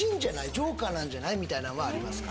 ジョーカーなんじゃない？みたいなんはありますか？